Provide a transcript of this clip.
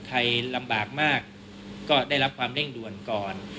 ใครลำบากมากก็ได้รับความเร่งด่วนก่อน